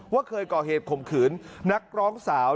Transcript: เคยก่อเหตุข่มขืนนักร้องสาว